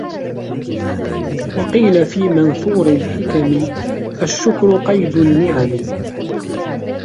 وَقِيلَ فِي مَنْثُورِ الْحِكَمِ الشُّكْرُ قَيْدُ النِّعَمِ